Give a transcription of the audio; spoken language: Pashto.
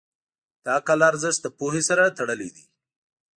د عقل ارزښت د پوهې سره تړلی دی.